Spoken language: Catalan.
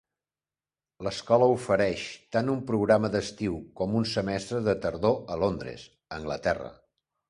L'escola ofereix tant un programa d'estiu com un semestre de tardor a Londres, Anglaterra.